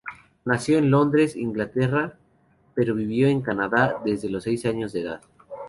Nació en Londres, Inglaterra, pero vivió en Canadá desde los seis años de edad.